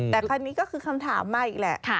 แต่คราวนี้ก็คือคำถามมาอีกแหละ